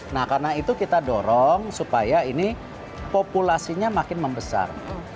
nah karena itu kita dorong supaya ini populasinya makin membesar